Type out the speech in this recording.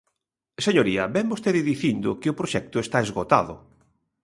Señoría, vén vostede dicindo que o proxecto está esgotado.